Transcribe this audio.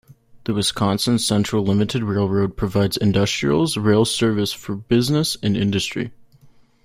The Wisconsin Central Limited Railroad provides industrials rail service for business and industry.